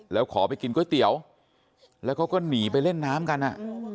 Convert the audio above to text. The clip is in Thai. แล้วขอไปกินก๋วยเตี๋ยวแล้วเขาก็หนีไปเล่นน้ำกันอ่ะ